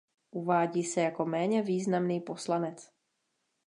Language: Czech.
Uvádí se jako méně významný poslanec.